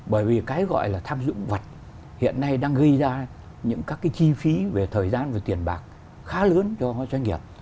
bởi vì cái gọi là tham dụng vật hiện nay đang gây ra những các cái chi phí về thời gian và tiền bạc khá lớn cho doanh nghiệp